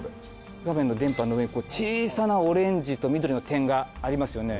画面の電波の上に小さなオレンジと緑の点がありますよね。